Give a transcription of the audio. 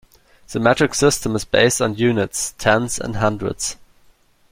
The metric system is based on units, tens and hundreds